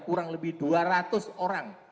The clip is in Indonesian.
kurang lebih dua ratus orang